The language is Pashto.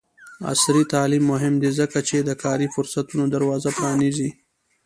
عصري تعلیم مهم دی ځکه چې د کاري فرصتونو دروازې پرانیزي.